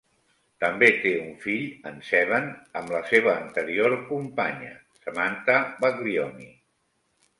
També té un fill, en Seven, amb la seva anterior companya Samantha Baglioni.